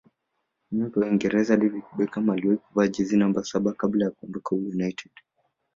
nyota wa uingereza david beckham aliwahi kuvaa jezi namba saba kabla ya kuondoka united